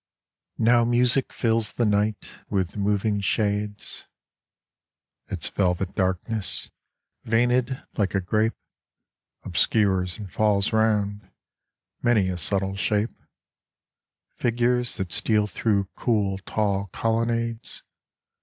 NOW music fills the night with mo\nng shades ; Its velvet darkness, veined like a grape, Obscures and falls round many a subtle shape — Figures that steal through cool tall colonnades.